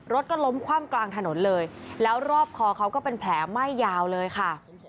รถก็ล้มคว่ำกลางถนนเลยแล้วรอบคอเขาก็เป็นแผลไหม้ยาวเลยค่ะ